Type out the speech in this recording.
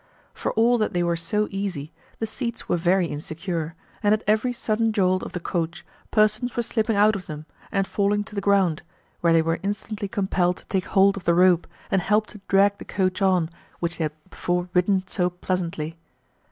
For all that they were so easy, the seats were very insecure, and at every sudden jolt of the coach persons were slipping out of them and falling to the ground, where they were instantly compelled to take hold of the rope and help to drag the coach on which they had before ridden so pleasantly.